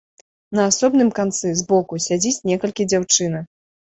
На асобным канцы, збоку, сядзіць некалькі дзяўчынак.